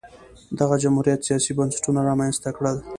دغه جمهوریت سیاسي بنسټونه رامنځته کړل